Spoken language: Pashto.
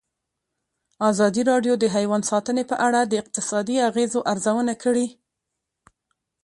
ازادي راډیو د حیوان ساتنه په اړه د اقتصادي اغېزو ارزونه کړې.